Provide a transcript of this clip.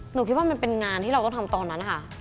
หนูคิดว่ามันเป็นงานที่เราต้องทำตอนนั้นนะคะ